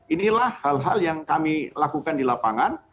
inilah hal hal yang kami lakukan di lapangan